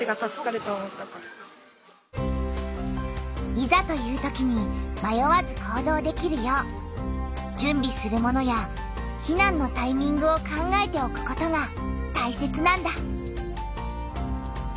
いざというときにまよわず行動できるよう準備するものや避難のタイミングを考えておくことがたいせつなんだ。